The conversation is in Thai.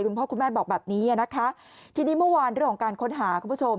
คุณพ่อคุณแม่บอกแบบนี้นะคะทีนี้เมื่อวานเรื่องของการค้นหาคุณผู้ชม